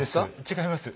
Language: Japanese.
違います。